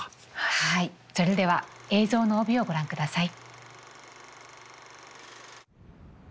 はいそれでは映像の帯をご覧ください。